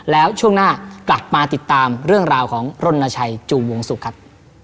แล้วช่วงหน้ากลับมาติดตามเรื่องราวของรณชัยจูวงศุกร์ครับ